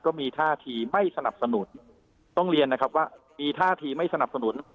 ก็มีท่าทีไม่สนับสนุนต้องเรียนนะครับว่ามีท่าทีไม่สนับสนุน